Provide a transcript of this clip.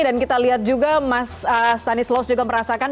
dan kita lihat juga mas stanislaus juga merasakan